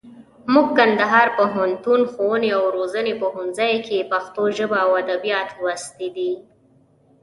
موږ کندهار پوهنتون، ښووني او روزني پوهنځي کښي پښتو ژبه او اودبيات لوستي دي.